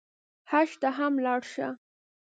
حج ته هم لاړ شه.